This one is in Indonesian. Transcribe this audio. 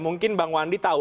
mungkin bang wandi tahu